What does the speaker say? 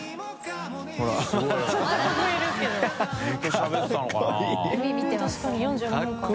困辰しゃべってたのかな？